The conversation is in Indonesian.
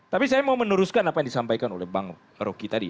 tapi saya mau meneruskan apa yang disampaikan oleh bang roky tadi